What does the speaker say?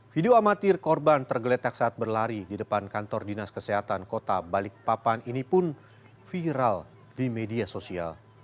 video amatir korban tergeletak saat berlari di depan kantor dinas kesehatan kota balikpapan ini pun viral di media sosial